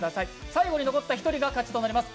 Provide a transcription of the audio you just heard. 最後に残った１人が勝ちとなります